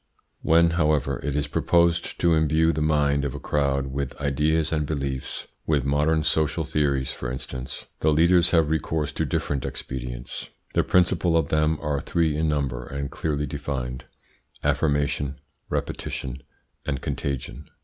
When, however, it is proposed to imbue the mind of a crowd with ideas and beliefs with modern social theories, for instance the leaders have recourse to different expedients. The principal of them are three in number and clearly defined affirmation, repetition, and contagion.